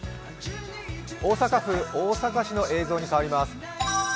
大阪府大阪市の映像に変わります。